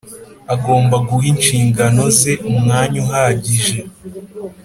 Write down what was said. Agomba guha inshingano ze umwanya uhagije